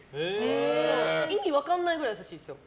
意味分かんないくらい優しいですよ。